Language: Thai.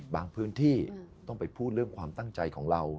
พื้นที่ต้องไปพูดเรื่องความตั้งใจของเรา